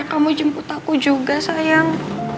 kamu jemput aku juga sayang